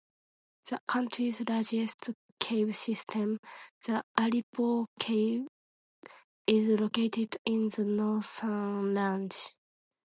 The country's largest cave system, the Aripo Cave, is located in the Northern Range.